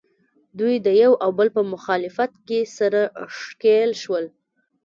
دوی د یو او بل په مخالفت کې سره ښکلیل شول